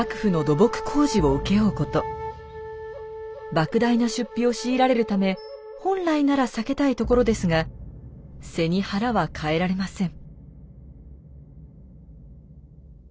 莫大な出費を強いられるため本来なら避けたいところですが背に腹は代えられません。